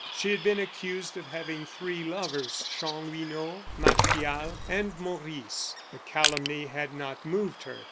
She had been accused of having three lovers Chanlouineau, Martial, and Maurice. The calumny had not moved her.